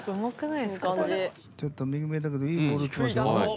ちょっと右めだけどいいボール打ちますよ。